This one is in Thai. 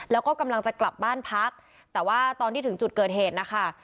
แล้วก็กำลังจะกลับบ้านพักแต่ว่าตอนที่ถึงจุดเกิดเหตุนะคะ